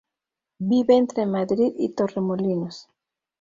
Vive entre Madrid y Torremolinos.